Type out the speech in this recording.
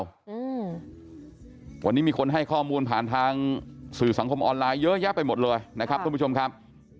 อืมวันนี้มีคนให้ข้อมูลผ่านทางสื่อสังคมออนไลน์เยอะแยะไปหมดเลยนะครับทุกผู้ชมครับ